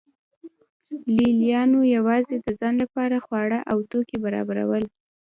لې لیانو یوازې د ځان لپاره خواړه او توکي برابرول